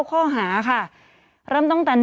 ผู้ต้องหาที่ขับขี่รถจากอายานยนต์บิ๊กไบท์